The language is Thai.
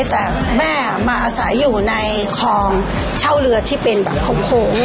แต่แม่มาอาศัยอยู่ในคลองเช่าเรือที่เป็นแบบโค้ง